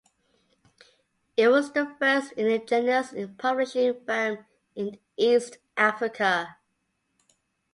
It was the first indigenous publishing firm in East Africa.